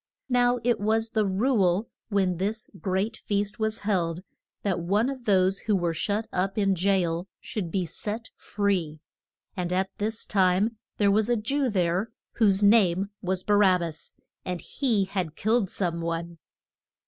Now it was the rule when this great feast was held, that one of those who were shut up in jail should be set free. And at this time there was a Jew there, whose name was Ba rab bas; and he had killed some one.